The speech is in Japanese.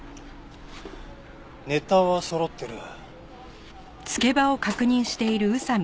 ネタはそろってる。